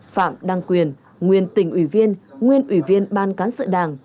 phạm đăng quyền nguyên tỉnh ủy viên nguyên ủy viên ban cán sự đảng